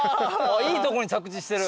いいとこに着地してる。